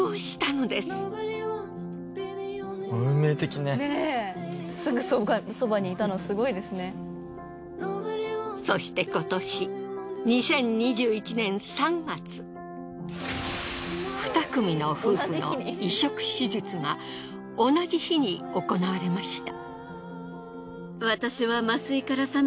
なんとそして今年２組の夫婦の移植手術が同じ日に行われました。